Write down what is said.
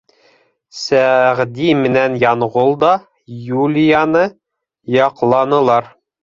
Сәғди менән Янғол да Юлияны яҡланылар.